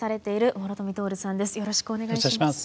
よろしくお願いします。